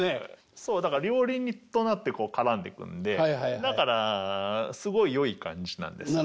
そうだから両輪となって絡んでくるんでだからすごいよい感じなんですね。